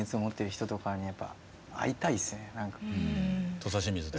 土佐清水で。